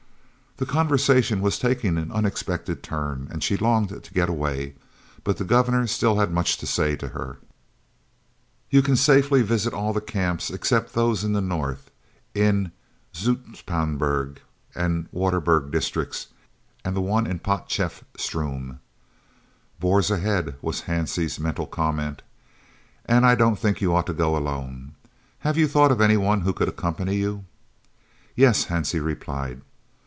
The conversation was taking an unexpected turn, and she longed to get away, but the Governor still had much to say to her. "You can safely visit all the Camps except those in the north, in the Zoutpansberg and Waterberg districts, and the one in Potchefstroom." ("Boers ahead!" was Hansie's mental comment.) "And I don't think you ought to go alone. Have you thought of any one who could accompany you?" "Yes," Hansie replied.